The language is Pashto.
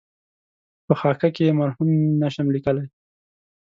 په خاکه کې یې مرحوم نشم لېکلای.